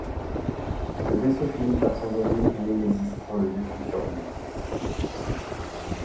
Le vaisseau finit par s'envoler et Nemesis prend le dessus sur Bee.